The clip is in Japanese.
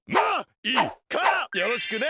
よろしくね。